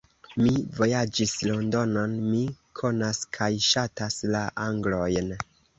Mi vojaĝis Londonon; mi konas kaj ŝatas la Anglojn.